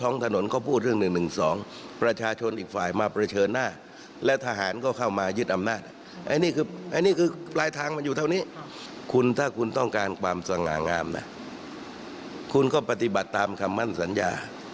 ลองฟังแนวคิดคุณจตุพรค่ะ